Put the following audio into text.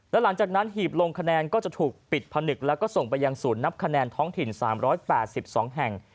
และหลังจากนั้นหีบลงคะแนนก็จะถูกปิดผนึกแล้วก็ส่งไปยังศูนย์นับคะแนนท้องถิ่น๓๘๒แห่ง